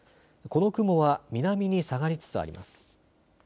この雲は南に下がりつつあります。